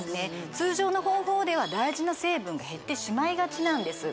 通常の方法では大事な成分が減ってしまいがちなんです